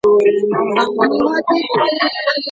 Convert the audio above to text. که د خوړو ګودامونه پاک وي، نو موږکان پکې نه پیدا کیږي.